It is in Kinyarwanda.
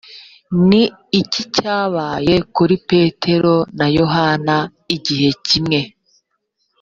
ni iki cyabaye kuri petero na yohana igihe kimwe?